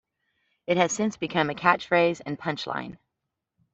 It has since become a catchphrase and punchline.